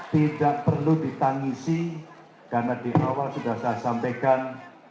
tidak perlu ditangisi karena di awal sudah saya sampaikan